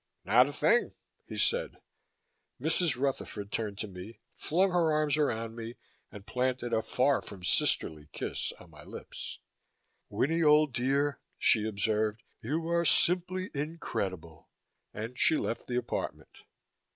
"Not a thing," he said. Mrs. Rutherford turned to me, flung her arms around me and planted a far from sisterly kiss on my lips. "Winnie, old dear," she observed, "you are simply incredible." And she left the apartment.